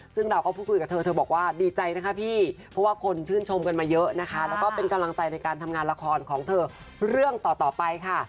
ซึ่งเราก็พูดคุยกับเธอเธอบอกว่าดีใจนะคะพี่เพราะว่าคนชื่นชมกันมาเยอะนะคะแล้วก็เป็นกำลังใจในการทำงานละครของเธอเรื่องต่อไปค่ะ